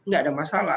nggak ada masalah